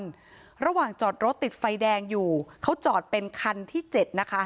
ระหว่างจอดรถติดไฟแดงอยู่เขาจอดเป็นคันที่เจ็ดนะคะ